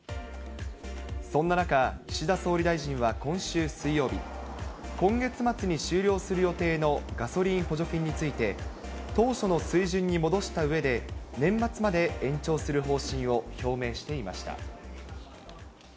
そんな中、岸田総理大臣は今週水曜日、今月末に終了する予定のガソリン補助金について、当初の水準に戻したうえで、年末まで延長する方針を表明していました。